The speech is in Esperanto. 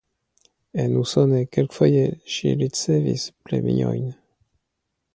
En Usono kelkfoje ŝi ricevis premiojn.